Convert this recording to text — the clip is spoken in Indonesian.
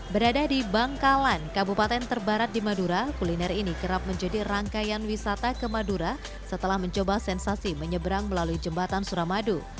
berada di bangkalan kabupaten terbarat di madura kuliner ini kerap menjadi rangkaian wisata ke madura setelah mencoba sensasi menyeberang melalui jembatan suramadu